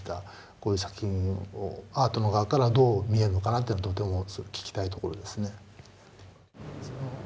こういう作品をアートの側からどう見えるのかがとても聞きたいところですね。